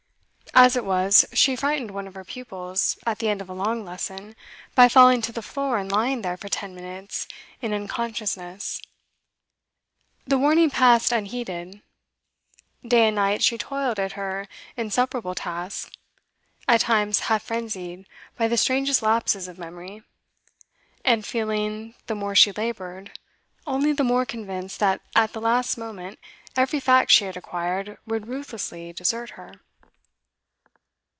As it was, she frightened one of her pupils, at the end of a long lesson, by falling to the floor and lying there for ten minutes in unconsciousness. The warning passed unheeded; day and night she toiled at her insuperable tasks, at times half frenzied by the strangest lapses of memory, and feeling, the more she laboured, only the more convinced that at the last moment every fact she had acquired would ruthlessly desert her.